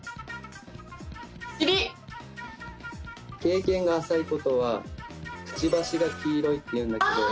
経験が浅い事は「くちばしが黄色い」っていうんだけど。